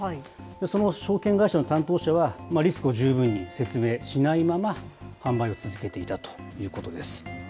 その証券会社の担当者は、リスクを十分に説明しないまま、販売を続けていたということです。